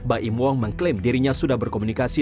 baim wong mengklaim dirinya sudah berkomunikasi